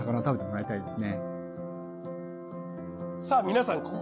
さあ皆さん